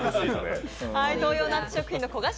東洋ナッツ食品の焦がし